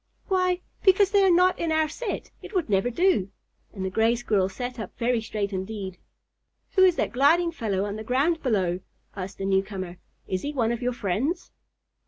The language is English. Why? Because they are not in our set. It would never do." And the Gray Squirrel sat up very straight indeed. "Who is that gliding fellow on the ground below?" asked the newcomer. "Is he one of your friends?"